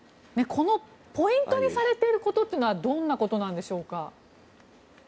このポイントにされていることというのはどんなことなんでしょうか。